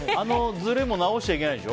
ずれも直しちゃいけないんでしょ。